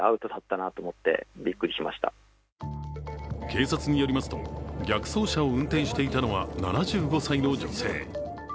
警察によりますと逆走車を運転していたのは７５歳の女性。